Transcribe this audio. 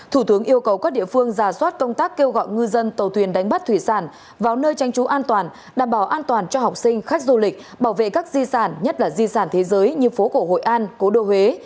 thủ tướng yêu cầu các địa phương giả soát công tác kêu gọi ngư dân tàu thuyền đánh bắt thủy sản vào nơi tranh trú an toàn đảm bảo an toàn cho học sinh khách du lịch bảo vệ các di sản nhất là di sản thế giới như phố cổ hội an cố đô huế